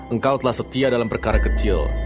engkau telah setia dalam perkara kecil